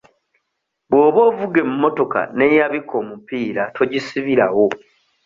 Bw'oba ovuga emmotoka n'eyabika omupiira togisibirawo.